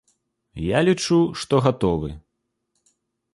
Я лічу, што гатовы.